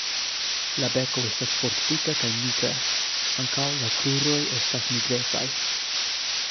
La beko estas fortika kaj nigra; ankaŭ la kruroj estas nigrecaj.